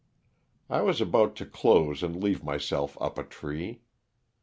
I was about to close and leave myself up a tree.